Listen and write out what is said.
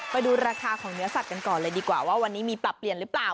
ไปดูราคาของเนื้อสัตว์กันก่อนเลยดีกว่าว่าวันนี้มีปรับเปลี่ยนหรือเปล่า